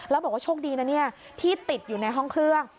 แล้วบอกว่าโชคดีนะเนี่ยที่ติดอยู่ในห้องเครื่อง